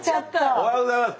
おはようございます。